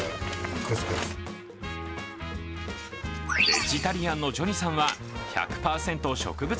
ベジタリアンのジョニさんは、１００％植物